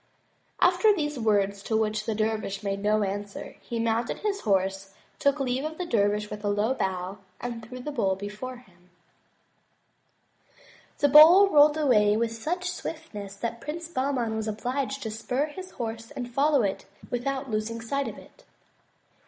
After these words to which the dervish made no answer, he mounted his horse, took leave of the dervish with a low bow, and threw the bowl before him. 65 MY BOOK HOUSE The bowl rolled away with such swiftness that Prince Bahman was obliged to spur his horse to follow without losing sight of it.